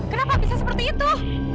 kenapa bisa seperti itu